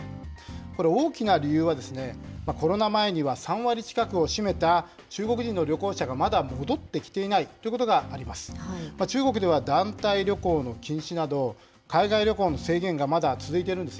これ、大きな理由は、コロナ前には３割近くを占めた中国人の旅行者が、まだ戻ってきていないということがあります。